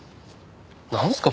なんすか？